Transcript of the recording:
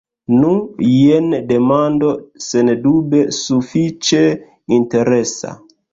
Nu, jen demando sendube sufiĉe interesa.